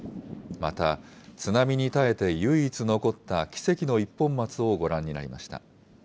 また津波に耐えて唯一残った奇跡の一本松をご覧になりました。